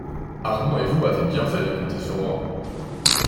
Armand et vous avez bien fait de compter sur moi.